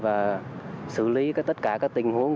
và xử lý tất cả các tình huống